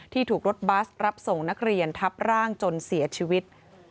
ถูกรถบัสรับส่งนักเรียนทับร่างจนเสียชีวิต